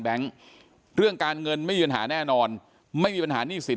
แบงค์เรื่องการเงินไม่เป็นหน่าแน่นอนไม่มีปัญหาหนี้สิน